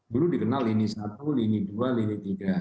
dulu dikenal lini satu lini dua lini tiga